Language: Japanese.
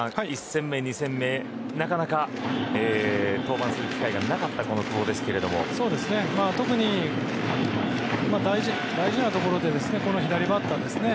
１戦目２戦目なかなか登板する機会がなかったこの久保ですが特に大事なところでこの左バッターですね。